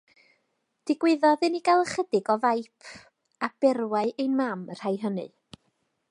Digwyddodd i ni gael ychydig o faip, a berwai ein mam y rhai hynny.